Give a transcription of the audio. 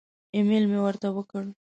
ایمیل مې ورته وکړ.